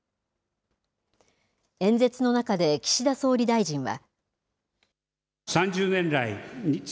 演説の中で岸田総理大臣は。